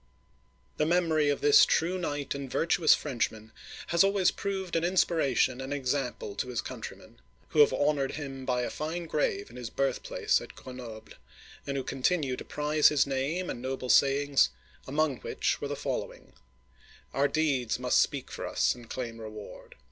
" The memory of this true knight and virtuous French man has always proved an inspiration and example to his countrymen, who have honored him by a fine grave in his birthplace at Grenoble, and who continue to prize his name and noble sayings, among which were the following :*' Our deeds must speak for us and claim reward.